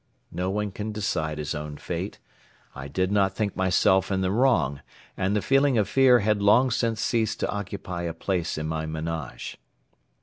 No one can decide his own fate. I did not think myself in the wrong and the feeling of fear had long since ceased to occupy a place in my menage.